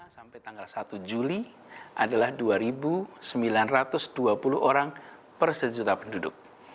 sampai tanggal satu juli adalah dua sembilan ratus dua puluh orang per sejuta penduduk